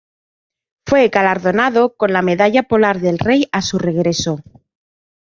Fue galardonado con la Medalla Polar del Rey a su regreso.